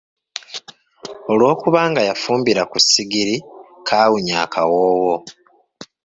Olw'okubanga yakafumbira ku ssigiri kaawunya akawoowo.